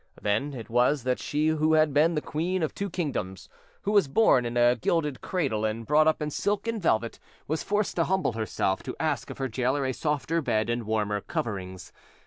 Then it was that she who had been the queen of two kingdoms, who was born in a gilded cradle and brought up in silk and velvet, was forced to humble herself to ask of her gaoler a softer bed and warmer coverings.